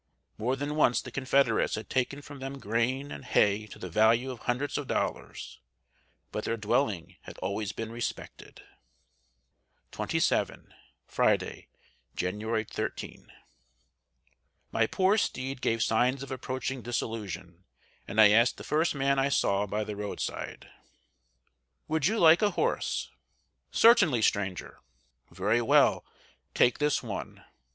More than once the Confederates had taken from them grain and hay to the value of hundreds of dollars; but their dwelling had always been respected. XXVII. Friday, January 13. My poor steed gave signs of approaching dissolution; and I asked the first man I saw by the roadside: "Would you like a horse?" "Certainly, stranger." "Very well, take this one."